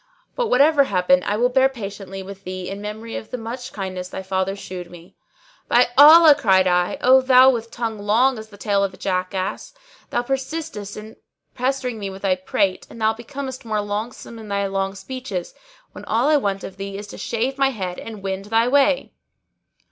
But whatever happen I will bear patiently with thee in memory of the much kindness thy father shewed me." "By Allah," cried I, "O thou with tongue long as the tail of a jackass, thou persistest in pestering me with thy prate and thou becomest more longsome in thy long speeches, when all I want of thee is to shave my head and wend thy way!"